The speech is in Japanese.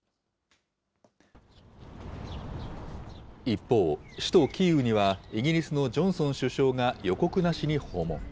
一方、首都キーウにはイギリスのジョンソン首相が予告なしに訪問。